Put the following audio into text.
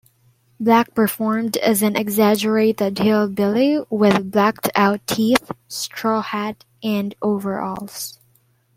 Black performed as an exaggerated hillbilly with blacked-out teeth, straw hat and overalls.